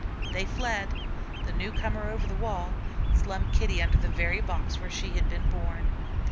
They fled, the newcomer over the wall, Slum Kitty under the very box where she had been born.